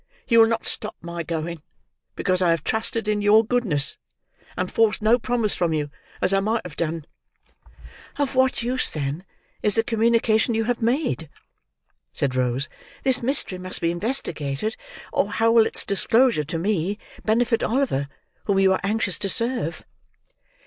"You will not stop my going because I have trusted in your goodness, and forced no promise from you, as I might have done." "Of what use, then, is the communication you have made?" said Rose. "This mystery must be investigated, or how will its disclosure to me, benefit Oliver, whom you are anxious to serve?"